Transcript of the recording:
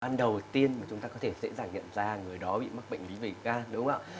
ban đầu tiên chúng ta có thể sẽ giải nghiệm ra người đó bị mắc bệnh lý về gan đúng không ạ